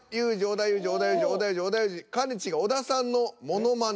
かねちーが「おださんのモノマネ」。